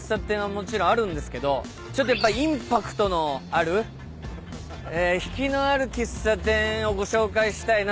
もちろんあるんですけどちょっとやっぱインパクトのある引きのある喫茶店をご紹介したいなと思って。